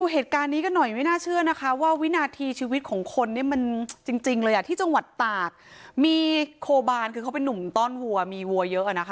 เหตุการณ์นี้กันหน่อยไม่น่าเชื่อนะคะว่าวินาทีชีวิตของคนเนี่ยมันจริงเลยอ่ะที่จังหวัดตากมีโคบานคือเขาเป็นนุ่มต้อนวัวมีวัวเยอะอ่ะนะคะ